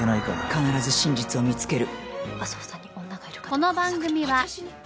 必ず真実を見つける。